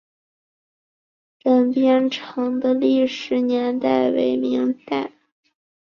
镇边城的历史年代为明代。